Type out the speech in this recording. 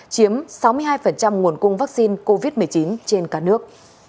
chiếm sáu mươi hai nguồn cung vaccine covid một mươi chín trên cả nước